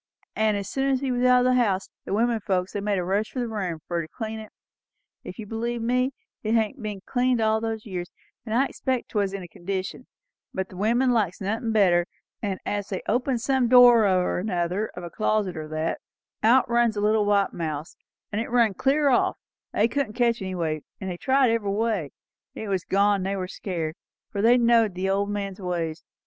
An' as soon as he was out o' the house, his women folks, they made a rush for his room, fur to clean it; for, if you'll believe me, it hadn't been cleaned all those years; and I expect 'twas in a condition; but the women likes nothin' better; and as they opened some door or other, of a closet or that, out runs a little white mouse, and it run clear off; they couldn't catch it any way, and they tried every way. It was gone, and they were scared, for they knowed the old gentleman's ways.